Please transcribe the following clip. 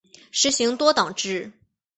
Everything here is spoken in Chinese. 实行多党制。